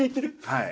はい。